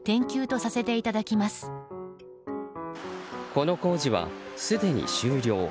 この工事は、すでに終了。